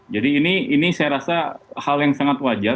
jadi ini saya rasa hal yang sangat wajar